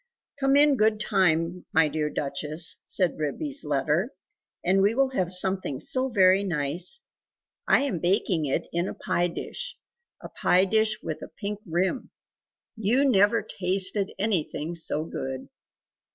"Come in good time, my dear Duchess," said Ribby's letter, "and we will have something so very nice. I am baking it in a pie dish a pie dish with a pink rim. You never tasted anything so good!